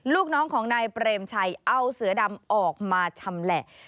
ลูกน้องของนายเปรมชัยเอาเสือดำออกมาชำแหละ